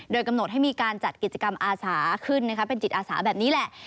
โดยกำหนดให้มีการจัดกิจกรรมอาสาขึ้นเป็นจิตอาสาแบบนี้แหละ